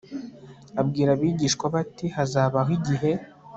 Abwira abigishwa be ati Hazabaho igihe